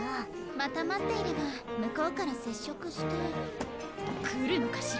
また待っていれば向こうから接触して来るのかしら？